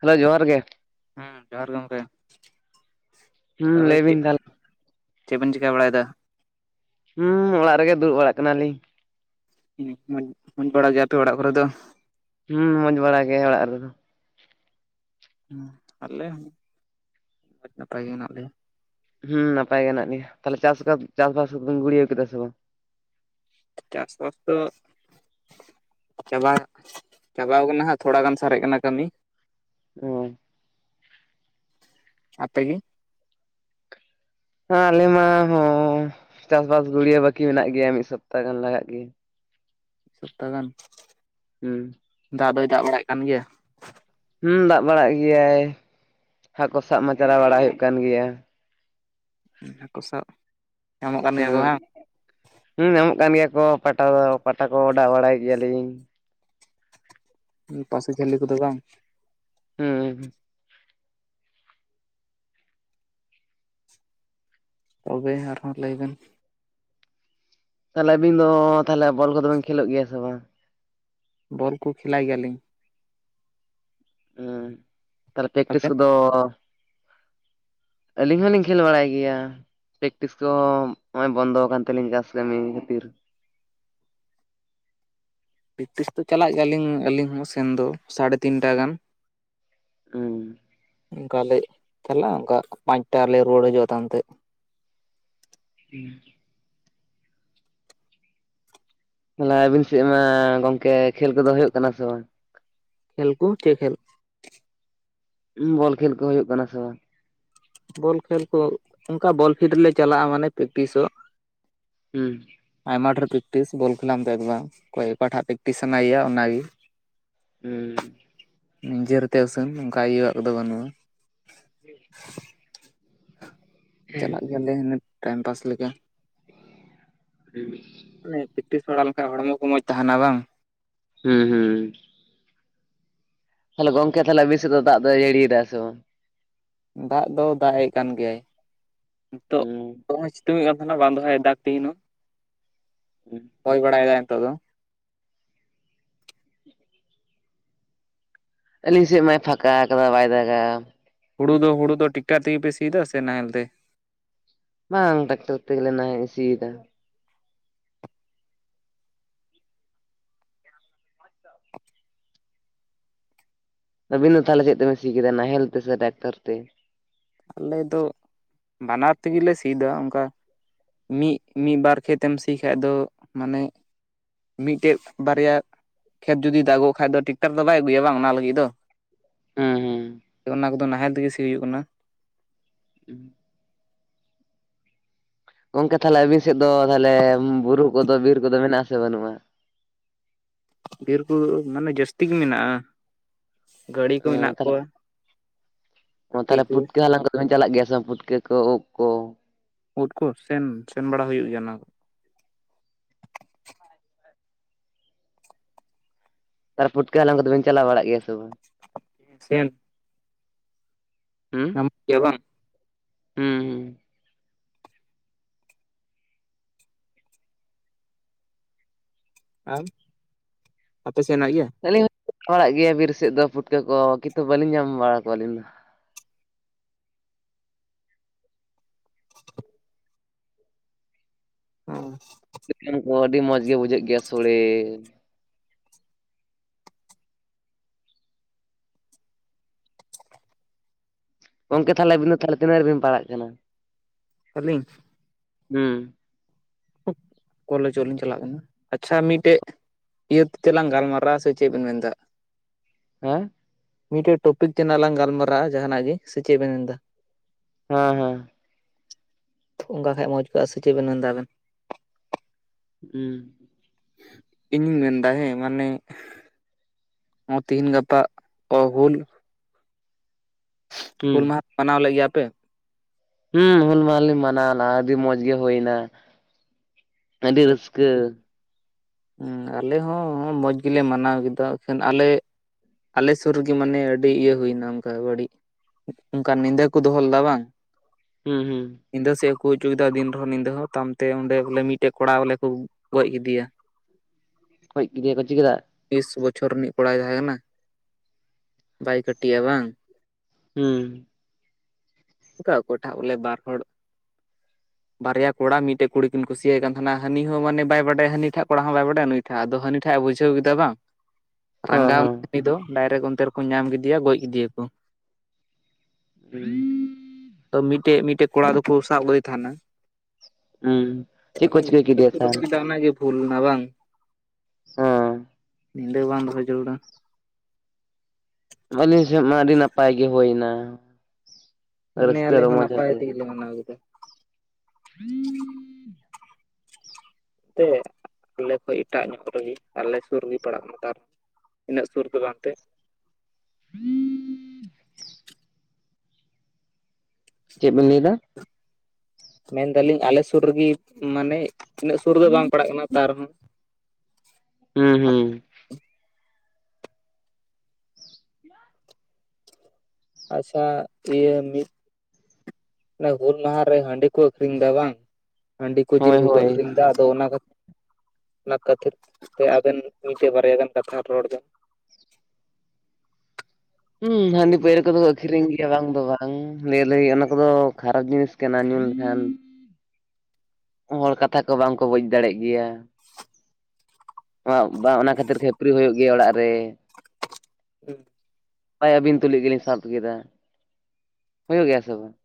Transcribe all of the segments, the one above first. Hello ᱡᱚᱦᱟᱨ ᱜᱮ᱾ ᱦᱮᱸ ᱡᱚᱦᱟᱨ ᱜᱮ ᱜᱚᱢᱠᱮ ᱦᱩᱸ ᱛᱚᱵᱮ ᱞᱟᱹᱭ ᱵᱤᱱ ᱪᱮᱫ ᱛᱟᱦᱚᱞᱮ ᱪᱮᱫ ᱵᱮᱱ ᱪᱮᱠᱟ ᱵᱟᱲᱟᱭᱮᱫᱫᱟ ᱦᱩᱸ ᱚᱲᱟᱜ ᱨᱮᱜᱮ ᱫᱩᱲᱩᱵ ᱵᱟᱲᱟᱜ ᱠᱟᱱᱟ ᱞᱤᱧ᱾ ᱦᱩᱸ ᱢᱚᱡᱽ ᱢᱚᱡᱽ ᱵᱟᱲᱟ ᱜᱮᱭᱟ ᱯᱮ ᱚᱲᱟᱜ ᱠᱚᱨᱮ ᱫᱚ ᱦᱩᱸ ᱢᱚᱡᱽ ᱵᱟᱲᱟ ᱜᱮ ᱚᱲᱟᱜ ᱨᱮᱫᱚ᱾ ᱟᱞᱮ ᱦᱚᱸ ᱟᱹᱰᱤ ᱱᱟᱯᱟᱭ ᱜᱮ ᱦᱮᱱᱟᱜ ᱞᱮᱭᱟ᱾ ᱦᱩᱸ ᱱᱟᱯᱟᱭ ᱜᱮ ᱦᱮᱱᱟᱜ ᱞᱮᱭᱟ ᱛᱟᱦᱚᱞᱮ ᱪᱟᱥ ᱠᱟᱥ ᱪᱟᱥᱵᱷᱟᱥ ᱠᱩᱵᱮᱱ ᱜᱩᱲᱭᱟᱹᱣ ᱠᱮᱫᱟ ᱥᱮ ᱵᱟᱝ ᱪᱟᱥᱵᱟᱥ ᱫᱚ ᱪᱟᱵᱟ ᱜᱚᱜ ᱪᱟᱵᱟᱣ ᱠᱟᱱᱟ ᱦᱟᱸᱜ ᱛᱷᱚᱲᱟ ᱜᱟᱱ ᱥᱟᱨᱮᱡ ᱠᱟᱱᱟ ᱠᱟᱹᱢᱤ ᱦᱚᱭ ᱟᱯᱮ ᱜᱮ ᱦᱟᱸ ᱟᱞᱮ ᱢᱟ ᱦᱚᱸ ᱪᱟᱥᱵᱟᱥ ᱜᱩᱲᱭᱟᱹ ᱵᱟᱹᱠᱤ ᱢᱮᱱᱟᱜ ᱜᱮᱭᱟ ᱢᱤᱫ ᱥᱚᱯᱛᱟ ᱜᱟᱱ ᱞᱟᱜᱟᱜ ᱜᱮᱭᱟ ᱥᱚᱯᱛᱟ ᱜᱟᱱ ᱦᱩᱸ ᱫᱟᱜ ᱫᱚᱭ ᱫᱟᱜ ᱵᱟᱲᱟᱭ ᱠᱟᱱ ᱜᱮᱭᱟ᱾ ᱦᱩᱸ ᱫᱟᱜ ᱵᱟᱲᱟ ᱮᱜᱜᱮᱭᱟᱭ ᱦᱟᱠᱚ ᱥᱟᱵ ᱢᱟ ᱪᱟᱞᱟᱣ ᱵᱟᱲᱟ ᱦᱩᱭᱩᱜ ᱠᱟᱱ ᱜᱮᱭᱟ᱾ ᱦᱟᱠᱚ ᱥᱟᱵ ᱧᱟᱢᱚᱜ ᱠᱟᱱ ᱜᱮᱭᱟ ᱠᱚ ᱦᱩᱸ ᱦᱟᱝ ᱦᱩᱸ ᱧᱟᱢᱚᱜ ᱠᱟᱱ ᱜᱮᱭᱟ ᱠᱚ ᱯᱟᱴᱟ ᱠᱚ ᱯᱟᱴᱟ ᱠᱚ ᱚᱰᱟᱣ ᱵᱟᱲᱟᱭ ᱜᱮᱭᱟ ᱞᱤᱧ᱾ ᱯᱟᱥᱤ ᱡᱷᱟᱹᱞᱤ ᱠᱚᱫᱚ ᱵᱟᱝ ᱦᱩᱸ ᱛᱚᱵᱮ ᱟᱨᱦᱚᱸ ᱞᱟᱹᱭ ᱵᱮᱱ ᱛᱟᱦᱚᱞᱮ ᱟᱵᱤᱱ ᱫᱚ ᱛᱟᱦᱚᱞᱮ ᱵᱚᱞ ᱠᱚᱫᱚ ᱵᱤᱱ ᱠᱷᱮᱞᱳᱜ ᱜᱮᱭᱟ ᱥᱮ ᱵᱟᱝ ᱵᱚᱞ ᱠᱚ ᱠᱷᱮᱞᱟᱭ ᱜᱮᱭᱟ ᱞᱤᱧ ᱦᱩᱸ ᱛᱟᱦᱚᱞᱮ ᱯᱮᱠᱴᱤᱥ ᱟᱵᱮᱱ ᱠᱚᱫᱚ ᱟᱹᱞᱤᱧ ᱦᱚᱞᱤᱧ ᱠᱷᱮᱞ ᱵᱟᱲᱟᱭ ᱜᱮᱭᱟ᱾ ᱯᱮᱠᱴᱤᱥ ᱠᱚᱢ ᱱᱚᱜᱼᱚᱭ ᱵᱚᱱᱫᱚ ᱟᱠᱟᱱ ᱛᱟᱹᱞᱤᱧ ᱪᱟᱥ ᱠᱟᱹᱢᱤ ᱠᱷᱟᱹᱛᱤᱨ ᱯᱮᱠᱴᱤᱥ ᱫᱚ ᱪᱟᱞᱟᱜ ᱜᱮᱭᱟ ᱞᱤᱧ ᱟᱹᱞᱤᱧ ᱦᱚᱸ ᱥᱮᱱ ᱫᱚ ᱥᱟᱲᱮ ᱛᱤᱱᱴᱟ ᱜᱟᱱ ᱦᱩᱸ ᱚᱝᱠᱟ ᱞᱮ ᱪᱟᱞᱟᱜ-ᱟ ᱚᱱᱠᱟ ᱯᱟᱸᱪᱴᱟ ᱨᱮᱞᱤ ᱨᱩᱣᱟᱹᱲ ᱦᱟᱹᱡᱩᱜ ᱛᱟᱲᱟᱢ ᱛᱮ [unintelligible] ᱞᱟᱭ ᱵᱤᱱ ᱥᱮ ᱢᱟ ᱜᱚᱝᱠᱮ ᱠᱷᱮᱞ ᱠᱚᱫᱚ ᱦᱩᱭᱩᱜ ᱠᱟᱱᱟ ᱥᱮ ᱵᱟᱝ ᱠᱷᱮᱞ ᱠᱩ ᱪᱮᱫ ᱠᱷᱮᱞ ᱵᱚᱞ ᱠᱷᱮᱞ ᱠᱚ ᱦᱩᱭᱩᱜ ᱠᱟᱱᱟ ᱥᱮ ᱵᱟᱝ ᱵᱚᱞ ᱠᱷᱮᱞ ᱠᱚ ᱚᱱᱠᱟ ᱵᱚᱞ ᱯᱷᱤᱰ ᱨᱮᱞᱮ ᱪᱟᱞᱟᱜᱼᱟ ᱢᱟᱱᱮ ᱯᱮᱠᱴᱤᱥᱚᱜ ᱦᱩᱸ ᱟᱭᱢᱟ ᱰᱷᱮᱨ ᱯᱮᱠᱴᱤᱥ ᱵᱚᱞ ᱠᱷᱮᱞᱟᱢ ᱫᱮᱠ ᱵᱟ ᱚᱠᱚᱭ ᱚᱠᱟᱴᱟᱜ ᱯᱮᱠᱴᱤᱥ ᱥᱟᱱᱟᱭ ᱮᱭᱟ ᱚᱱᱟ ᱜᱮ ᱦᱩᱸ ᱱᱤᱡᱮᱨ ᱛᱮ ᱩᱥᱟ. ᱱ ᱚᱱᱠᱟ ᱤᱭᱟ. ᱣᱟᱜ ᱠᱚᱫᱚ ᱵᱟᱹᱱᱩᱜᱼᱟ᱾ [unintelligible] ᱪᱟᱞᱟᱜ ᱜᱮᱭᱟᱞᱮ [unintelligible] ᱴᱟᱭᱤᱢ ᱯᱟᱥ ᱞᱮᱠᱟ [unintelligible] ᱢᱟᱱᱮ ᱯᱮᱠᱴᱤᱥ ᱵᱟᱲᱟ ᱞᱮᱱᱠᱷᱟᱱ ᱦᱚᱲᱢᱚ ᱠᱚ ᱢᱚᱡᱽ ᱛᱟᱦᱮᱱᱟ ᱵᱟᱝ ᱦᱩᱸ ᱦᱩᱸ ᱛᱟᱦᱚᱞᱮ ᱜᱚᱝᱠᱮ ᱛᱟᱦᱚᱞᱮ ᱟ. ᱵᱤᱱ ᱥᱮᱫ ᱫᱚ ᱫᱟᱜ ᱫᱚᱭ ᱡᱟᱹᱲᱤᱭ ᱫᱟ ᱥᱮ ᱵᱟᱝ ᱫᱟᱜ ᱫᱚ ᱫᱟᱜ ᱮᱫ ᱠᱟᱱ ᱜᱮᱭᱟᱭ ᱱᱤᱛᱚᱜ ᱛᱩᱸᱜᱮᱸᱫᱽ ᱠᱟᱱ ᱛᱟᱦᱮᱱᱚᱜ ᱵᱟᱝ ᱫᱚ ᱦᱟᱡ ᱮ ᱫᱟᱜ ᱛᱤᱦᱤᱧ ᱦᱚᱸ ᱦᱚᱭ ᱵᱟᱲᱟᱭ ᱫᱟᱭ ᱱᱤᱛᱚᱜ ᱫᱚ ᱟᱹᱞᱤᱧ ᱥᱮᱫ ᱢᱟᱭ ᱯᱷᱟᱸᱠᱟ ᱟᱠᱟᱫᱟ ᱵᱟᱭ ᱫᱟᱜᱟ ᱦᱩᱲᱩ ᱫᱚ ᱦᱩᱲᱩ ᱫᱚ ᱴᱤᱠᱴᱟᱨ ᱛᱮᱜᱮ ᱯᱮ ᱥᱤᱫᱟ ᱥᱮ ᱱᱟᱦᱮᱞ ᱛᱮ ᱵᱟᱝ ᱴᱮᱠᱴᱟᱨ ᱛᱮᱜᱮᱞᱮ ᱱᱟᱦᱮ ᱥᱤᱭ ᱫᱟ ᱟᱹᱵᱤᱱ ᱫᱚ ᱛᱟᱦᱚᱞᱮ ᱪᱮᱫ ᱛᱮ ᱵᱮᱱ ᱥᱤ ᱠᱮᱫᱟ ᱱᱟᱦᱮᱞ ᱛᱮ ᱥᱮ ᱴᱮᱠᱴᱟᱨ ᱛᱮ ᱟᱞᱮ ᱫᱚ ᱵᱟᱱᱟᱨ ᱛᱮᱜᱤ ᱞᱮ ᱥᱤᱭ ᱫᱟ ᱚᱱᱠᱟ ᱢᱤᱫ ᱢᱤᱫ ᱵᱟᱨ ᱠᱷᱮᱛᱮᱢ ᱥᱤ ᱠᱷᱟᱡ ᱫᱚ ᱢᱟᱱᱮ ᱢᱤᱫᱴᱮᱡ ᱵᱟᱨᱭᱟ ᱠᱷᱮᱛ ᱡᱩᱫᱤ ᱫᱟᱜᱚᱜᱚ ᱠᱷᱟᱡ ᱫᱚ ᱴᱮᱠᱴᱟᱨ ᱫᱚ ᱵᱟᱭ ᱟᱹᱜᱩᱭᱟ ᱵᱟᱝ ᱚᱱᱟ ᱞᱟᱹᱜᱤᱫ ᱫᱚ ᱦᱩᱸ ᱦᱩᱸ ᱾ ᱚᱱᱟ ᱠᱚᱫᱚ ᱱᱟᱦᱮᱞ ᱛᱮᱜᱮ ᱥᱤ ᱦᱩᱭᱩᱜ ᱠᱟᱱᱟ ᱾ ᱦᱩᱸ ᱜᱚᱝᱠᱮ ᱛᱟᱦᱚᱞᱮ ᱟᱵᱤᱱ ᱥᱮᱫ ᱫᱚ ᱛᱟᱦᱚᱞᱮ ᱵᱩᱨᱩ ᱠᱚᱫᱚ ᱵᱤᱨ ᱠᱚᱫᱚ ᱢᱮᱱᱟᱜᱼᱟ ᱥᱮ ᱵᱟᱹᱱᱩᱜᱼᱟ? ᱵᱤᱨ ᱠᱚ ᱢᱟᱱᱮ ᱡᱟᱹᱥᱛᱤ ᱜᱮ ᱢᱮᱱᱟᱜᱼᱟ ᱾ ᱚ ᱦᱟᱹᱛᱤ ᱛᱟᱦᱚᱞᱮ ᱠᱚ ᱯᱩᱴᱠᱟᱹ ᱦᱟᱞᱟᱝ ᱠᱚ ᱪᱟᱞᱟᱜ ᱜᱮᱭᱟ ᱥᱮ ᱯᱩᱴᱠᱟᱹ ᱠᱚ ᱩᱫ ᱠᱚ ᱩᱫ ᱠᱚ ᱥᱮᱱ ᱥᱮᱱ ᱵᱟᱲᱟ ᱦᱩᱭᱩᱜ ᱜᱮᱭᱟ ᱚᱱᱟ ᱠᱚ ᱛᱟᱨ ᱯᱩᱴᱠᱟᱹ ᱦᱟᱞᱟᱝ ᱠᱚᱫᱚ ᱵᱮᱱ ᱪᱟᱞᱟᱣ ᱵᱟᱲᱟ ᱜᱮᱭᱟ ᱥᱮ ᱵᱟᱝ? ᱥᱮᱸᱱ ᱦᱩᱸ ᱟᱢ ᱪᱮᱫ ᱦᱚᱸ ᱵᱟᱝ ᱦᱩᱸ ᱦᱩᱸ ᱟᱨ ᱟᱯᱮ ᱥᱮᱱ ᱦᱮᱱᱟᱜ ᱜᱮᱭᱟ ᱟᱹᱞᱤᱧ ᱦᱚᱸᱞᱤᱧ ᱦᱮᱡ ᱵᱟᱲᱟᱜ ᱜᱮᱭᱟ ᱵᱤᱨ ᱥᱮᱫ ᱫᱚ ᱯᱩᱴᱠᱟᱹ ᱠᱚ ᱠᱤᱱᱛᱩ ᱵᱟᱹᱞᱤᱧ ᱧᱟᱢ ᱵᱟᱲᱟ ᱠᱚᱣᱟ ᱟᱹᱞᱤᱧ ᱫᱚ ᱾ [inaudible] ᱚ ᱾ ᱠᱚ ᱟᱹᱰᱤ ᱢᱚᱡᱽ ᱜᱮ ᱵᱩᱡᱷᱟᱹᱜ ᱜᱮᱭᱟ ᱥᱳᱲᱮ ᱾ ᱜᱚᱢᱠᱮ ᱛᱟᱦᱚᱞᱮ ᱟᱵᱤᱱ ᱫᱚ ᱛᱤᱱᱟᱹᱜ ᱨᱮᱵᱤᱱ ᱯᱟᱲᱟᱜ ᱠᱟᱱᱟ? ᱟᱸᱞᱤᱧ ᱦᱩᱸ ᱾ ᱠᱚᱞᱮᱡᱚᱜ ᱞᱤᱧ ᱪᱟᱞᱟᱜ ᱠᱟᱱᱟ ᱾ ᱟᱪᱪᱷᱟ ᱢᱤᱫᱴᱮᱡ ᱤᱭᱟᱹ ᱛᱮ ᱛᱮᱞᱟᱝ ᱜᱟᱞᱢᱟᱨᱟᱣᱟ ᱥᱮ ᱪᱮᱫ ᱵᱮᱱ ᱢᱮᱱ ᱮᱫᱟ ᱾ ᱦᱮᱸ ᱾ ᱢᱤᱫᱴᱮᱡ ᱴᱚᱯᱤᱠ ᱛᱮᱱᱟᱜ ᱞᱟᱝ ᱜᱟᱞᱢᱟᱨᱟᱜᱼᱟ ᱡᱟᱦᱟᱱᱟᱜ ᱜᱮ ᱥᱮ ᱪᱮᱫ ᱵᱮᱱ ᱢᱮᱱ ᱫᱟ ᱾ ᱦᱳᱭ ᱦᱳᱭ ᱾ ᱚᱱᱠᱟ ᱠᱷᱟᱡ ᱢᱚᱡᱽ ᱠᱚᱜᱼᱟ ᱥᱮ ᱪᱮᱫ ᱵᱮᱱ ᱢᱮᱱᱫᱟ ᱟᱵᱮᱱ ᱦᱩᱸ ᱾ ᱤᱧᱤᱧ ᱢᱮᱱ ᱫᱟ ᱦᱮᱸ ᱢᱟᱱᱮ ᱦᱚᱸ ᱛᱤᱦᱤᱧ ᱜᱟᱯᱟ ᱠᱚ ᱦᱩᱞ ᱦᱩᱸ ᱦᱩᱞ ᱢᱟᱦᱟ ᱢᱟᱱᱟᱣ ᱞᱮᱜ ᱜᱮᱭᱟ ᱯᱮ ᱦᱩᱸ ᱦᱩᱞ ᱢᱟᱦᱟ ᱞᱤᱧ ᱢᱟᱱᱟᱣᱱᱟ ᱟᱹᱰᱤ ᱢᱚᱸᱡᱽ ᱜᱮ ᱦᱩᱭᱱᱟ ᱟᱹᱰᱤ ᱨᱟᱹᱥᱠᱟᱹ ᱾ ᱦᱩᱸ ᱟᱞᱮ ᱦᱚᱸ ᱢᱚᱸᱡᱽ ᱜᱮᱞᱮ ᱢᱟᱱᱟᱣ ᱠᱮᱫᱟ ᱮ ᱠᱷᱟᱱ ᱟᱞᱮ ᱟᱞᱮ ᱥᱩᱨ ᱨᱮᱜᱮ ᱢᱟᱱᱮ ᱟᱹᱰᱤ ᱤᱭᱟᱹ ᱦᱩᱭᱱᱟ ᱚᱱᱠᱟ ᱵᱟᱹᱲᱤᱡ ᱚᱱᱠᱟᱱ ᱧᱤᱫᱟᱹ ᱠᱚ ᱫᱚᱦᱚ ᱞᱮᱫᱟ ᱵᱟᱝ ᱦᱩᱸ ᱦᱩᱸ ᱧᱤᱫᱟᱹ ᱥᱮᱫ ᱠᱚ ᱦᱩᱭ ᱪᱚ ᱠᱮᱫᱟ ᱫᱤᱱ ᱨᱮᱦᱚᱸ ᱧᱤᱫᱟᱹ ᱦᱚᱸ ᱛᱟᱭᱚᱢᱛᱮ ᱚᱸ ᱵᱚᱞᱮ ᱢᱤᱫ ᱢᱤᱫᱴᱮᱡ ᱠᱚᱲᱟ ᱦᱚᱞᱮ ᱠᱚ ᱜᱚᱡ ᱠᱮᱫᱮᱭᱟ ᱾ ᱜᱚᱡ ᱠᱮᱫᱮᱭᱟ ᱠᱚ ᱪᱮᱫ ᱪᱤᱠᱟᱹ? ᱵᱤᱥ ᱵᱚᱪᱷᱚᱨ ᱨᱤᱱᱤᱡ ᱠᱚᱲᱟᱭ ᱛᱟᱦᱮᱸ ᱠᱟᱱᱟ ᱵᱟᱭ ᱠᱟᱹᱴᱤᱡᱼᱟ ᱵᱟᱝ ᱦᱩᱸ ᱚᱱᱠᱟ ᱚᱠᱚᱴᱟᱜ ᱵᱚᱞᱮ ᱵᱟᱨ ᱦᱚᱲ ᱵᱟᱨᱭᱟ ᱠᱚᱲᱟ ᱢᱤᱫᱴᱮᱱ ᱠᱩᱲᱤ ᱠᱤᱱ ᱠᱩᱥᱤᱭᱟᱭ ᱠᱟᱱ ᱛᱟᱦᱮᱱᱟ ᱦᱟᱱᱤ ᱦᱚᱸ ᱢᱟᱱᱮ ᱵᱟᱭ ᱵᱟᱰᱟᱭ ᱦᱟᱹᱱᱤ ᱴᱷᱟᱜ ᱠᱚᱲᱟ ᱦᱚᱸ ᱵᱟᱭ ᱵᱟᱰᱟᱭᱟ ᱱᱩᱭ ᱟ ᱟᱫᱚ ᱦᱟᱹᱱᱤ ᱴᱟᱜ ᱮ ᱵᱩᱡᱷᱟᱹᱣ ᱠᱮᱫᱟ ᱵᱟᱝ ᱨᱟᱸᱜᱟᱣ ᱮᱱᱟ ᱫᱚ ᱰᱟᱭᱨᱮᱠᱴ ᱚᱱᱛᱮ ᱨᱮᱠᱚ ᱧᱟᱢ ᱠᱮᱫᱮᱭᱟ ᱜᱚᱡ ᱠᱮᱫᱤᱭᱟ ᱠᱚ ᱾ [unintelligible] ᱛᱚ ᱢᱤᱫᱴᱮᱡ ᱢᱤᱫᱴᱮᱱ ᱠᱚᱲᱟ ᱫᱚᱠᱚ ᱥᱟᱵ ᱟᱹᱜᱩᱭ ᱛᱟᱦᱮᱱᱟ ᱾ ᱦᱮᱸ ᱦᱩᱸ ᱪᱮᱫ ᱚᱱᱮ ᱠᱚ ᱪᱤᱠᱟᱹ ᱧᱤᱫᱟᱹ ᱜᱮ ᱠᱮᱫᱮᱭᱟ ᱠᱚ ᱛᱟᱦᱚᱞᱮ ᱫᱚᱦᱚᱭ ᱫᱟ ᱚᱱᱟ ᱜᱮ ᱵᱷᱩᱞ ᱱᱟ ᱵᱟᱝ [unintelligible] ᱧᱤᱫᱟᱹ ᱵᱟᱝ ᱫᱚᱦᱚ ᱡᱟᱹᱨᱩᱲᱟ ᱟᱹᱞᱤᱧ ᱥᱮᱫ ᱢᱟ ᱟᱹᱰᱤ ᱱᱟᱯᱟᱭ ᱜᱮ ᱦᱩᱭᱱᱟ᱾ ᱨᱟᱹᱥᱠᱟᱹ ᱨᱚᱢᱚᱡᱽ ᱟᱛᱮᱜ ᱪᱮ ᱢᱟᱱᱟ ᱠᱮᱫᱟ [inaudible] ᱛᱮ ᱟᱞᱮ ᱠᱷᱚᱡ ᱮᱴᱟᱜ ᱧᱚᱜ ᱨᱮᱜᱮ, ᱟᱞᱮ ᱥᱩᱨ ᱜᱮ ᱯᱟᱲᱟᱜ ᱱᱮᱛᱟᱨ ᱤᱱᱟᱹᱜ ᱥᱩᱨ ᱫᱚ ᱵᱟᱝ ᱛᱮ [inaudible] ᱪᱮᱫ ᱵᱮᱱ ᱞᱟᱹᱭ ᱫᱟ ᱢᱮᱱᱫᱟᱞᱤᱧ ᱟᱞᱮ ᱥᱩᱨ ᱨᱮᱜᱮ ᱢᱟᱱᱮ ᱤᱱᱟᱹᱜ ᱥᱩᱨ ᱨᱮ ᱫᱚ ᱵᱟᱝ ᱯᱟᱲᱟᱜ ᱠᱟᱱᱟ ᱛᱟ ᱨᱮᱦᱚᱸ ᱦᱩᱸ ᱦᱩᱸ ᱟᱪᱪᱷᱟ ᱤᱭᱟᱹ ᱢᱤᱫ ᱦᱩᱞ ᱢᱟᱦᱟ ᱨᱮ ᱦᱟᱺᱰᱤ ᱠᱚ ᱟᱹᱠᱷᱨᱤᱧ ᱮᱫᱟ ᱵᱟᱝ᱾ ᱦᱟᱺᱰᱤ ᱠᱚ ᱡᱤᱞ ᱦᱳᱭ ᱠᱚᱠᱚ ᱦᱳᱭ ᱟᱹᱷᱨᱤᱧ ᱮᱫᱟ ᱟᱫᱚ ᱚᱱᱟ ᱚᱱᱟ ᱠᱷᱟᱹᱛᱤᱨ ᱛᱮ ᱟᱵᱮᱱ ᱢᱤᱫᱴᱮᱱ ᱵᱟᱨᱭᱟ ᱜᱟᱱ ᱠᱟᱛᱷᱟ ᱨᱚᱲ ᱵᱮᱱ ᱾ [inaudible] ᱦᱩᱸ ᱦᱟᱹᱰᱤ [unintelligible] ᱟᱹᱠᱷᱨᱤᱧ ᱜᱮᱭᱟ ᱵᱟᱝ ᱫᱚ ᱵᱟᱝ ᱞᱟᱹᱭ ᱚᱱᱟ ᱠᱚᱫᱚ ᱠᱷᱟᱨᱟᱯ ᱡᱤᱱᱤᱥ ᱠᱟᱱᱟ᱾ ᱧᱩ ᱞᱮᱠᱷᱟᱱ ᱦᱚᱲ ᱠᱟᱛᱷᱟ ᱠᱚ ᱵᱟᱝ ᱠᱚ ᱵᱩᱡᱽ ᱫᱟᱲᱮᱜ ᱜᱮᱭᱟ᱾ ᱵᱟᱝ ᱚᱱᱟ ᱠᱷᱟᱹᱛᱤᱨ ᱠᱷᱟᱹᱯᱟᱹᱨᱤ ᱦᱩᱭᱩᱜ ᱜᱮᱭᱟ ᱚᱲᱟᱜ ᱨᱮ [unintelligible] ᱟᱹᱵᱤᱱ ᱛᱩᱞᱩᱡ ᱜᱮᱞᱤᱧ ᱥᱟᱵ ᱠᱮᱫᱟ᱾ ᱦᱩᱭᱩᱜ ᱜᱮᱭᱟ ᱥᱮ ᱵᱟᱝ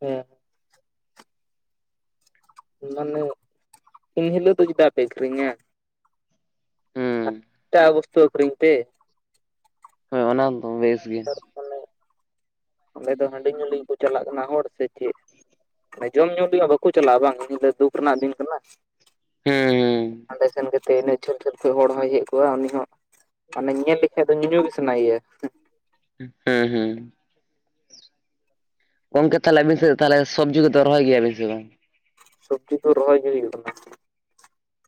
ᱦᱮᱸ ᱢᱟᱱᱮ ᱮᱱ ᱦᱤᱞᱳᱜ ᱫᱚ ᱪᱮᱫᱟᱜ ᱯᱮ ᱟᱹᱠᱷᱨᱤᱧᱟ ᱦᱩᱸ ᱮᱴᱟᱜ ᱵᱚᱥᱛᱩ ᱟᱹᱠᱷᱨᱤᱧ ᱯᱮ ᱦᱳᱭ ᱚᱱᱟ ᱫᱚ ᱵᱮᱥ ᱜᱮ᱾ ᱢᱟᱱᱮ ᱚᱸᱰᱮ ᱫᱚ ᱦᱟᱺᱰᱤ ᱧᱩ ᱞᱟᱹᱜᱤᱫ ᱜᱮᱠᱚ ᱪᱟᱞᱟᱜ ᱠᱟᱱᱟ᱾ᱦᱚᱲ ᱥᱮ ᱪᱮᱫ? ᱡᱚᱢ ᱧᱩ ᱛᱮᱭᱟᱜ ᱵᱟᱠᱚ ᱪᱟᱞᱟᱜ-ᱟ, ᱵᱟᱝ ᱩᱱ ᱫᱚ ᱫᱩᱠ ᱨᱮᱱᱟᱜ ᱫᱤᱱ ᱠᱟᱱᱟ᱾ ᱦᱮᱸ ᱦᱟᱸᱰᱮ ᱥᱮᱱ ᱠᱟᱛᱮᱜ ᱤᱱᱟᱹ ᱡᱷᱟᱹᱞ ᱡᱷᱟᱹᱞ ᱠᱷᱚᱱᱚᱡ ᱦᱚᱲ ᱦᱚᱸᱭ ᱦᱮᱡ ᱠᱚᱜ-ᱟ ᱩᱱᱤ ᱦᱚᱸ ᱢᱟᱱᱮ ᱧᱮᱞ ᱞᱮᱠᱷᱟᱡ ᱫᱚ ᱧᱩ ᱜᱮ ᱥᱟᱱᱟᱭᱮᱭᱟ᱾ ᱦᱮᱸ ᱦᱮᱸ ᱠᱚᱢᱠᱮ ᱛᱟᱦᱚᱞᱮ ᱟᱵᱤᱱ ᱥᱮ ᱛᱟᱦᱚᱞᱮ ᱥᱚᱵᱽᱡᱤ ᱠᱚᱫᱚ ᱨᱚᱦᱚᱭ ᱜᱮᱭᱟᱵᱤᱱ ᱥᱮ ᱵᱟᱝ? ᱥᱚᱵᱽᱡᱤ ᱠᱚ ᱨᱚᱦᱚᱭ ᱜᱮ ᱦᱩᱭᱩᱜ ᱠᱟᱱᱟ᱾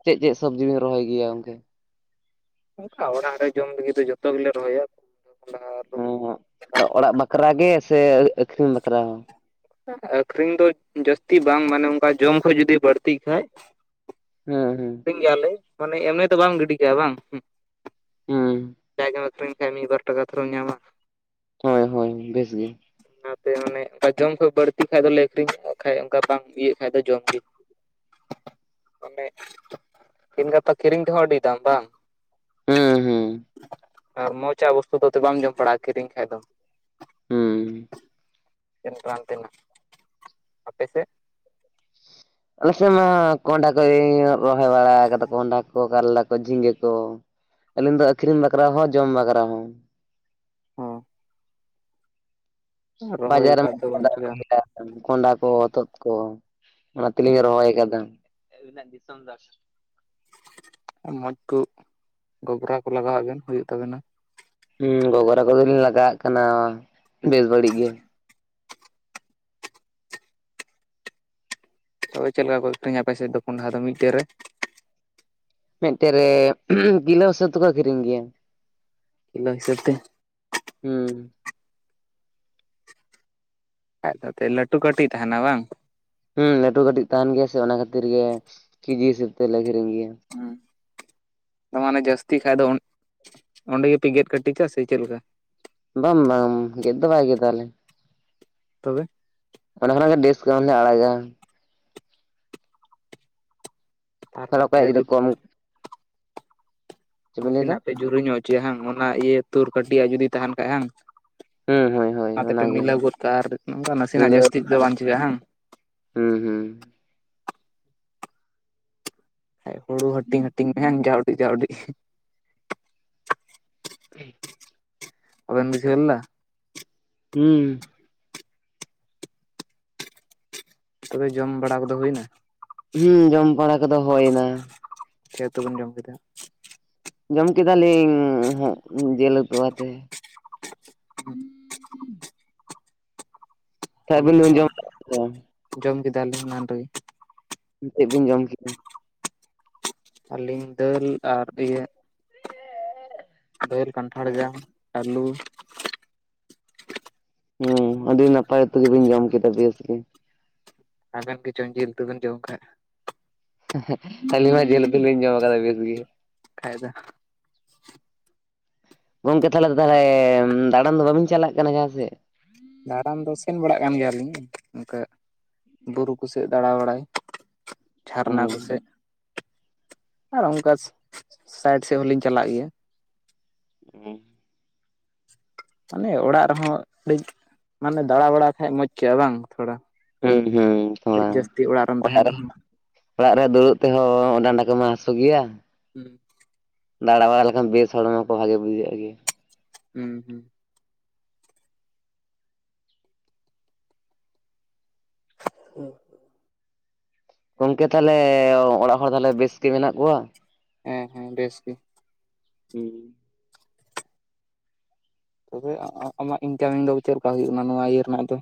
ᱪᱮᱫ ᱪᱮᱫ ᱥᱚᱵᱽᱡᱤ ᱵᱤᱱ ᱨᱚᱦᱚᱭ ᱜᱮᱭᱟ ᱜᱚᱢᱠᱮ? ᱚᱱᱠᱟ ᱚᱲᱟᱜ ᱨᱮ ᱡᱚᱢ ᱞᱟᱹᱜᱤᱫ ᱫᱚ ᱡᱚᱛᱚ ᱜᱮᱞᱮ ᱨᱚᱦᱚᱭᱟ ᱠᱚᱸᱰᱷᱟ ᱚᱜ ᱚᱲᱟᱜ ᱵᱟᱠᱷᱨᱟ ᱜᱮ, ᱥᱮ ᱟᱹᱠᱷᱨᱤᱧ ᱵᱟᱠᱷᱨᱟ ᱦᱚᱸ ᱟᱹᱠᱷᱨᱤᱧ ᱫᱚ ᱡᱟᱹᱥᱛᱤ ᱵᱟᱝ ᱢᱟᱱᱮ ᱚᱱᱠᱟ ᱡᱚᱢ ᱠᱷᱚᱡ ᱡᱩᱫᱤ ᱵᱟᱹᱲᱛᱤᱜ ᱠᱷᱟᱡ ᱦᱮᱸ ᱦᱮᱸ ᱟᱹᱠᱷᱨᱤᱧ ᱜᱮᱭᱟᱞᱮ ᱢᱟᱱᱮ ᱮᱢᱱᱤ ᱫᱚ ᱵᱟᱢ ᱜᱤᱰᱤ ᱠᱟᱭᱟ ᱵᱟᱝ ᱦᱩᱸ ᱯᱮ ᱜᱮ ᱟᱹᱠᱷᱨᱤᱧ ᱠᱟᱸᱜ ᱢᱤᱫ ᱵᱟᱨ ᱴᱟᱠᱟ ᱛᱚᱢ ᱧᱟᱢᱟ᱾ ᱦᱳᱭ ᱦᱳᱭ ᱵᱮᱥ ᱜᱮ᱾ ᱚᱱᱟᱛᱮ ᱢᱟᱱᱮ ᱚᱱᱠᱟ ᱡᱚᱢ ᱠᱷᱚᱡ ᱵᱟᱹᱲᱛᱤ ᱠᱷᱟᱡ ᱫᱚᱞᱮ ᱟᱹᱠᱷᱨᱤᱧ ᱠᱷᱟᱡ ᱚᱱᱠᱟ ᱵᱟᱝ ᱤᱭᱟᱹᱜ ᱠᱷᱟᱡ ᱫᱚ ᱡᱚᱢᱜᱮ᱾ ᱚᱱᱮ ᱛᱮᱦᱤᱧ ᱜᱟᱯᱟ ᱠᱤᱨᱤᱧ ᱛᱮᱦᱚᱸ ᱟᱹᱰᱤ ᱫᱟᱢ ᱵᱟᱝ ᱦᱮᱸ ᱦᱮᱸ ᱟᱨ ᱢᱚᱸᱡᱽ ᱟᱜ ᱵᱚᱥᱛᱩ ᱫᱚ ᱵᱟᱢ ᱡᱚᱢ ᱵᱟᱲᱟᱭ ᱠᱤᱨᱤᱧ ᱠᱷᱟᱡ ᱫᱚ ᱦᱮᱸ ᱛᱤᱱ ᱠᱟᱱ ᱛᱤᱱᱟᱹᱜ ᱟᱯᱮ ᱥᱮᱫ ᱟᱞᱮ ᱥᱮᱫ ᱢᱟ ᱠᱚᱱᱰᱟᱦᱟ ᱠᱚ, ᱤᱧ ᱨᱚᱦᱚᱭ ᱵᱟᱲᱟ ᱠᱟᱫᱟ ᱠᱚᱱᱰᱟᱦᱟ ᱠᱚ, ᱠᱟᱨᱞᱟ ᱠᱚ, ᱡᱷᱤᱸᱜᱟᱹ ᱠᱚ, ᱟᱹᱞᱤᱧ ᱫᱚ ᱟᱠᱷᱨᱤᱧ ᱵᱟᱠᱷᱨᱟ ᱦᱚᱸ ᱡᱚᱢ ᱵᱟᱠᱷᱨᱟ ᱦᱚᱸ ᱾ ᱦᱚᱸ ᱨᱚᱦᱚᱭ ᱵᱟᱡᱟᱨ ᱨᱮ ᱠᱟᱫ ᱫᱚ ᱵᱟᱢ ᱪᱤᱠᱟᱹ [inaudible] ᱠᱚᱱᱰᱟᱦᱟ ᱠᱚ ᱦᱚᱛᱚᱫ ᱠᱚ ᱚᱱᱟ ᱛᱮᱞᱤᱧ ᱨᱚᱦᱚᱭ ᱟᱠᱟᱫᱟ ᱟᱹᱵᱤᱱᱟᱜ ᱫᱤᱥᱚᱢ ᱫᱚ ᱢᱚᱸᱡᱽ ᱠᱚ ᱜᱚᱜᱽᱨᱟ ᱠᱚ ᱞᱟᱜᱟᱣᱟᱜ ᱵᱮᱱ ᱦᱩᱭᱩᱜ ᱛᱟᱵᱮᱱᱟ ᱾ ᱦᱩᱸ ᱜᱚᱜᱽᱨᱟ ᱠᱚᱫᱚᱞᱤᱧ ᱞᱟᱜᱟᱣᱟᱜ ᱠᱟᱱᱟ ᱵᱮᱥ ᱵᱟᱹᱲᱤᱡ ᱜᱮ ᱛᱚᱵᱮ ᱪᱮᱫ ᱞᱮᱠᱟ ᱠᱚ ᱟᱠᱷᱨᱤᱧᱼᱟ ᱟᱯᱮ ᱥᱮᱫ ᱫᱚ ᱠᱚᱱᱰᱟᱦᱟ ᱫᱚ ᱢᱤᱫᱴᱮᱱ ᱨᱮ? ᱢᱤᱫᱴᱮᱡ ᱨᱮ ᱠᱤᱞᱳ ᱦᱤᱥᱟᱹᱵ ᱛᱮᱠᱚ ᱟᱠᱷᱨᱤᱧ ᱜᱮᱭᱟ ᱾ ᱠᱤᱞᱳ ᱦᱤᱥᱟᱹᱵ ᱛᱮ? ᱦᱩᱸ ᱾ [unintelligible] ᱞᱟᱹᱴᱩ ᱠᱟᱹᱴᱤᱡ ᱛᱟᱦᱮᱱᱟ ᱵᱟᱝ? ᱦᱩᱸ ᱞᱟᱹᱴᱩ ᱠᱟᱹᱴᱤᱡ ᱛᱟᱦᱮᱱ ᱜᱮᱭᱟ ᱥᱮ ᱚᱱᱟ ᱠᱷᱟᱹᱛᱤᱨ ᱜᱮ ᱠᱮᱡᱤ ᱦᱤᱥᱟᱹᱵ ᱛᱮᱞᱮ ᱟᱠᱷᱤᱨᱤᱧ ᱜᱮᱭᱟ ᱾ ᱦᱩᱸ ᱾ ᱢᱟᱱᱮ ᱡᱟᱹᱥᱛᱤ ᱠᱷᱟᱡᱽ ᱫᱚ ᱚᱸᱰᱮ ᱜᱮᱯᱮ ᱜᱮᱫ ᱠᱟᱹᱴᱤᱡᱟ ᱥᱮ ᱪᱮᱫ ᱞᱮᱠᱟ? ᱵᱟᱝ ᱵᱟᱝ ᱜᱮᱫ ᱫᱚ ᱵᱟᱝ ᱜᱮᱫ ᱟᱞᱮ ᱾ ᱛᱚᱵᱮ? ᱚᱱᱟ ᱠᱷᱚᱱᱟᱜ ᱜᱮ ᱰᱤᱥᱠᱟᱣᱩᱱᱴ ᱞᱮ ᱟᱲᱟᱜᱟ ᱾ ᱛᱷᱚᱲᱟ ᱚᱠᱚᱭᱟᱜ ᱡᱩᱫᱤ ᱠᱚᱢ [unintelligible] ᱪᱮᱫ ᱵᱤᱱ ᱞᱟᱹᱭᱫᱟ ᱱᱟᱥᱮᱱᱟᱜ ᱯᱮ ᱡᱩᱨᱟᱹ ᱧᱚᱜ ᱦᱚᱪᱚᱭᱟ ᱵᱟᱝ ᱚᱱᱟ ᱤᱭᱟᱹ ᱛᱳᱨ ᱠᱟᱹᱴᱤᱡ ᱟᱜ ᱡᱩᱫᱤ ᱛᱟᱦᱮᱱ ᱠᱷᱟᱡᱽ ᱦᱮᱸ ᱦᱟᱝ ᱦᱩᱸ ᱦᱳᱭ ᱦᱳᱭ ᱚᱱᱟᱛᱮ ᱯᱮ ᱚᱱᱟᱜᱮ ᱢᱤᱞᱟᱹᱣ ᱜᱚᱫ ᱠᱟᱜᱼᱟ ᱟᱨ ᱱᱚᱝᱠᱟ ᱱᱟᱥᱮᱱᱟᱜ ᱢᱤᱞᱟᱹᱣ ᱡᱟᱹᱥᱛᱤ ᱛᱮᱫᱚ ᱟᱠᱟᱫᱟ᱾ ᱵᱟᱝ ᱪᱤᱠᱟᱹᱜᱼᱟ ᱵᱟᱝ? ᱦᱩᱸ ᱦᱩᱸ ᱾ ᱦᱩᱲᱩ ᱦᱟᱹᱴᱤᱧ ᱦᱟᱹᱴᱤᱧ ᱢᱮ ᱡᱟᱣᱰᱤ ᱡᱟᱣᱰᱤ ᱾ [inaudible] ᱵᱟᱵᱮᱱ ᱵᱩᱡᱷᱣ ᱞᱮᱫᱟ? ᱦᱩᱸ ᱾ ᱛᱚᱵᱮ ᱡᱚᱢ ᱵᱟᱲᱟ ᱠᱚᱫᱚ ᱦᱩᱭᱱᱟ? ᱦᱩᱸ ᱡᱚᱢ ᱵᱟᱲᱟ ᱠᱚᱫᱚ ᱦᱳᱭᱱᱟ ᱾ ᱪᱮᱫ ᱩᱛᱩ ᱵᱮᱱ ᱡᱚᱢ ᱠᱮᱫᱟ? ᱡᱚᱢ ᱠᱮᱫᱟᱞᱤᱧ ᱦᱟᱸᱜ ᱡᱮᱞ ᱩᱛᱩ ᱟᱛᱮ ᱾ [inaudible] ᱟᱹᱵᱤᱱ ᱟᱹᱞᱤᱧ ᱵᱤᱱ ᱦᱚᱸ ᱡᱚᱢ ᱠᱮᱫᱟ ᱥᱮ ᱵᱟᱝ? ᱡᱚᱢ ᱠᱮᱫᱟᱞᱤᱧ ᱮᱱᱟᱱ ᱨᱮᱜᱮ ᱾ ᱪᱮᱫ ᱵᱤᱱ ᱡᱚᱢ ᱠᱮᱫᱼᱟ? ᱟᱹᱞᱤᱧ ᱫᱟᱹᱞ ᱟᱨ ᱤᱭᱟᱹ ᱾ ᱫᱟᱹᱞ, ᱠᱟᱱᱴᱷᱟᱲ ᱡᱟᱝ, ᱟᱹᱞᱩ ᱾ ᱦᱩᱸ ᱟᱹᱰᱤ ᱱᱟᱯᱟᱭ ᱩᱛᱩ ᱜᱮᱵᱤᱱ ᱡᱚᱢ ᱠᱮᱫᱟ ᱵᱮᱥ ᱜᱮ ᱾ ᱟᱵᱮᱱ ᱠᱤᱪᱚᱝᱧ ᱡᱤᱞ ᱩᱛᱩ ᱵᱮᱱ ᱡᱚᱢ ᱠᱷᱟᱜ ᱾ ᱟᱹᱞᱤ ᱢᱟ ᱡᱮᱞ ᱩᱛᱩ ᱞᱤᱧ ᱡᱚᱢ ᱠᱟᱫᱟ ᱵᱮᱥ ᱜᱮ ᱾ ᱠᱷᱟᱡ ᱫᱚ ᱜᱚᱢᱠᱮ ᱛᱟᱦᱚᱞᱮ ᱛᱟᱦᱚᱞᱮ ᱫᱟᱸᱬᱟᱱ ᱫᱚ ᱵᱟᱹᱵᱤᱱ ᱪᱟᱞᱟᱜ ᱠᱟᱱᱟ ᱡᱟᱦᱟᱸ ᱥᱮᱫ? ᱫᱟᱸᱬᱟᱱ ᱫᱚ ᱥᱮᱱ ᱵᱟᱲᱟᱜ ᱠᱟᱱ ᱜᱮᱭᱟᱞᱤᱧ ᱚᱝᱠᱟ ᱾ ᱵᱩᱨᱩ ᱠᱩ ᱥᱮᱫ ᱫᱟᱬᱟ ᱵᱟᱲᱟᱭ ᱾ ᱡᱷᱟᱨᱱᱟ ᱦᱩᱸ ᱠᱚᱥᱮᱫ ᱟᱨ ᱚᱱᱠᱟ ᱥᱟᱭᱤᱰ ᱥᱮᱫ ᱦᱚᱸ ᱞᱤᱧ ᱪᱟᱞᱟᱜ ᱜᱮᱭᱟ ᱾ [unintelligible] ᱟᱞᱮ ᱚᱲᱟᱜ ᱨᱮᱦᱚᱸ ᱟᱹᱰᱤ ᱢᱟᱱᱮ ᱫᱟᱬᱟ ᱵᱟᱲᱟᱭ ᱠᱷᱟᱡᱽ ᱢᱚᱸᱡᱽ ᱠᱚᱜᱼᱟ ᱵᱟᱝ ᱛᱷᱚᱲᱟ ᱦᱩᱸ ᱾ ᱟᱹᱰᱤ ᱛᱷᱚᱲᱟ ᱡᱟᱹᱥᱛᱤ ᱚᱲᱟᱜ ᱨᱮᱢ ᱛᱟᱦᱮᱱ ᱨᱮᱦᱚᱸ ᱾ ᱚᱲᱟᱜ ᱨᱮ ᱫᱩᱲᱩᱵ ᱛᱮᱦᱚᱸ ᱰᱟᱸᱱᱰᱟ ᱠᱚᱢᱟ ᱦᱟᱥᱳ ᱜᱮᱭᱟ ᱾ ᱦᱩᱸ ᱾ ᱫᱟᱬᱟ ᱵᱟᱲᱟ ᱞᱮᱠᱷᱟᱱ ᱵᱮᱥ ᱦᱚᱲᱢᱚ ᱠᱚ ᱵᱷᱟᱜᱮ ᱵᱩᱡᱷᱟᱹᱜᱼᱟ ᱜᱮᱭᱟ ᱾ ᱦᱩᱸ ᱦᱩᱸ ᱾ ᱦᱩᱸ ᱾ ᱜᱚᱢᱠᱮ ᱛᱟᱦᱞᱮ ᱚᱲᱟᱜ ᱦᱚᱲ ᱛᱟᱦᱞᱮ ᱵᱮᱥ ᱜᱮ ᱢᱮᱱᱟᱜ ᱠᱚᱣᱟ ᱦᱮᱸ ᱦᱮᱸ ᱵᱮᱥ ᱜᱮ ᱦᱩᱸ ᱛᱚᱵᱮ ᱟᱢᱟᱜ ᱤᱱᱠᱟᱢᱤᱝ ᱫᱚ ᱪᱮᱫ ᱞᱮᱠᱟ ᱦᱩᱭᱩᱜ ᱠᱟᱱᱟ ᱱᱚᱣᱟ ᱤᱭᱟᱹ ᱨᱮᱱᱟᱜ ᱫᱚ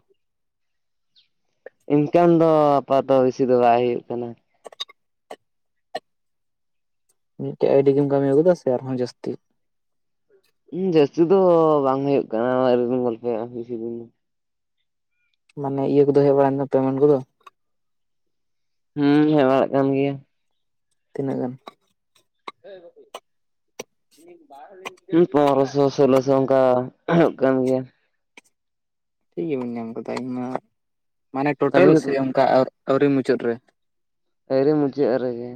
ᱤᱱᱠᱟᱢ ᱫᱚ ᱟᱯᱟᱛᱚ ᱵᱤᱥᱤ ᱫᱚ ᱵᱟᱭ ᱦᱳᱭᱳᱜ ᱠᱟᱱᱟ ᱢᱤᱫᱴᱮᱡ ᱟᱭᱰᱤ ᱜᱮᱢ ᱠᱟᱹᱢᱤᱭᱟ ᱥᱮ ᱟᱨᱦᱚᱸ ᱡᱟᱹᱥᱛᱤ ᱡᱟᱹᱥᱛᱤ ᱫᱚ ᱵᱟᱝ ᱦᱩᱭᱩᱜ ᱠᱟᱱᱟ ᱳᱭᱨᱳᱠᱚᱢ ᱵᱚᱞᱛᱮ ᱵᱤᱥᱤ ᱫᱤᱱ ᱫᱚ ᱢᱟᱱᱮ ᱤᱭᱟᱹ ᱠᱚᱫᱚ ᱦᱮᱡ ᱵᱟᱲᱟᱭ ᱱᱟ ᱯᱮᱢᱮᱸᱴ ᱠᱚᱫᱚ ᱦᱩᱸ ᱦᱮᱡ ᱵᱟᱲᱟᱜ ᱠᱟᱱ ᱜᱮᱭᱟ ᱛᱤᱱᱟᱹᱜ ᱜᱟᱱ [unintelligible] ᱯᱚᱱᱨᱚᱥᱚ ᱥᱳᱞᱳᱥᱚ ᱚᱱᱠᱟ ᱦᱩᱭᱩᱜ ᱠᱟᱱ ᱜᱮᱭᱟ ᱴᱷᱤᱠ ᱜᱮ ᱵᱟᱹᱧ ᱧᱟᱢ ᱟᱠᱟᱫᱟ ᱤᱧ ᱢᱟ ᱢᱟᱱᱮ ᱴᱳᱴᱮᱞ ᱟᱹᱵᱤᱱ ᱫᱚ ᱥᱮ ᱚᱱᱠᱟ ᱟᱹᱣᱨᱤ ᱢᱩᱪᱟᱹᱫ ᱨᱮ ᱟᱣᱨᱤ ᱢᱩᱪᱟᱹᱫ ᱨᱮᱜᱮ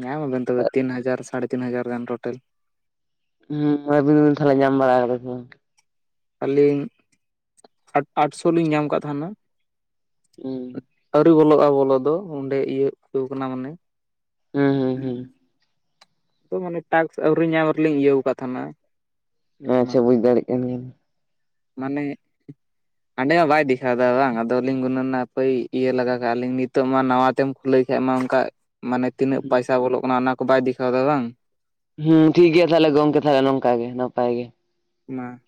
ᱧᱟᱢᱟᱵᱮᱱ ᱛᱚᱵᱮ ᱛᱤᱱ ᱦᱟᱡᱟᱨ ᱥᱟᱲᱮ ᱛᱤᱱ ᱦᱟᱡᱟᱨ ᱜᱟᱱ ᱴᱳᱴᱮᱞ ᱦᱩᱸ ᱟᱵᱤᱱ ᱛᱟᱦᱞᱮ ᱧᱟᱢ ᱵᱟᱲᱟ ᱠᱟᱫᱟ ᱥᱮ ᱵᱟᱝ ᱟᱹᱞᱤᱧ ᱟᱴᱥᱳ ᱞᱤᱧ ᱧᱟᱢ ᱟᱠᱟᱫ ᱛᱟᱦᱮᱱᱟ ᱦᱩᱸ ᱟᱹᱣᱨᱤ ᱵᱚᱞᱚᱜᱼᱟ ᱵᱚᱞᱚ ᱫᱚ ᱚᱸᱰᱮ ᱤᱭᱟᱹ ᱟᱠᱟᱱᱟ ᱢᱟᱱᱮ ᱦᱩᱸ ᱦᱩᱸ ᱦᱩᱸ ᱛᱳ ᱢᱟᱱᱮ ᱴᱟᱠᱥ ᱟᱹᱣᱨᱤ ᱧᱟᱢ ᱨᱮᱞᱤᱧ ᱤᱭᱟᱹᱣ ᱠᱟᱫ ᱛᱟᱦᱮᱱᱟ ᱟᱪᱪᱷᱟ ᱵᱩᱡ ᱫᱟᱲᱭᱟᱜ ᱠᱟᱱ ᱜᱤᱭᱟᱧ ᱢᱟᱱᱮ ᱦᱟᱸᱰᱮ ᱢᱟ ᱵᱟᱭ ᱫᱮᱠᱷᱟᱣ ᱫᱟ ᱵᱟᱝ ᱟᱫᱚᱞᱤᱧ ᱜᱩᱱᱚᱱᱟ ᱦᱟᱯᱚᱭ ᱤᱭᱟᱹᱞᱟᱜᱟ ᱠᱟᱜᱼᱟ ᱞᱤᱧ ᱱᱤᱛ ᱛᱚ ᱢᱟ ᱱᱟᱣᱟ ᱛᱮᱢ ᱠᱷᱩᱞᱟᱣ ᱠᱷᱟᱡ ᱢᱟ ᱚᱱᱠᱟ ᱢᱟᱱᱮ ᱛᱤᱱᱟᱹᱜ ᱯᱟᱭᱥᱟ ᱵᱚᱞᱚᱜ ᱠᱟᱱᱟ ᱚᱱᱟ ᱠᱚ ᱵᱟᱭ ᱫᱮᱠᱷᱟᱣ ᱫᱟ ᱵᱟᱝ ᱦᱮᱸ ᱴᱷᱤᱠ ᱜᱮᱭᱟ ᱛᱟᱦᱞᱮ ᱜᱚᱝᱠᱮ ᱛᱟᱦᱚᱞᱮ ᱱᱚᱝᱠᱟ ᱜᱮ ᱱᱟᱯᱟᱭ ᱜᱮ ᱢᱟ